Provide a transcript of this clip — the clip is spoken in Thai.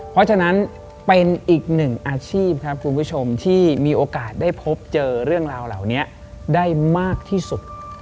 เพราะฉะนั้นเป็นอีกหนึ่งอาชีพครับคุณผู้ชมที่มีโอกาสได้พบเจอเรื่องราวเหล่านี้ได้มากที่สุด